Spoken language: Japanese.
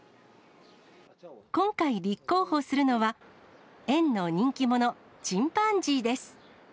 今回、立候補するのは、園の人気者、チンパンジーです。